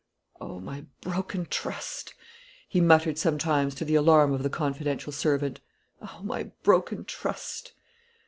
"O my broken trust!" he muttered sometimes, to the alarm of the confidential servant; "O my broken trust!"